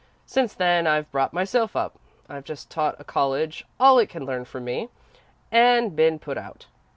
Since then I've brought myself up. I've just taught a college all it can learn from me, and been put out.